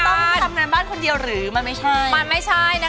คุณผู้หญิงก็ต้องทำงานบ้านคนเดียวหรือมันไม่ใช่คุณผู้หญิงก็ต้องช่วยกัน